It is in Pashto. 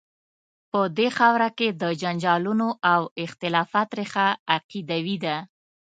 په دې خاوره کې د جنجالونو او اختلافات ریښه عقیدوي ده.